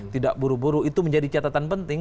tidak buru buru itu menjadi catatan penting